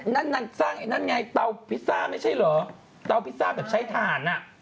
นั่นไงเตาพิซซ่าไม่ใช่เหรอเตาพิซซ่าแบบใช้ทานอ่ะ